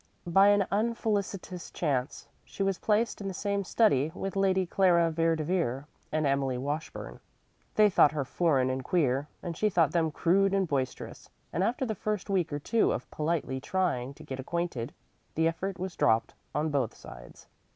By an unfelicitous chance she was placed in the same study with Lady Clara Vere de Vere and Emily Washburn. They thought her foreign and queer, and she thought them crude and boisterous, and after the first week or two of politely trying to get acquainted the effort was dropped on both sides.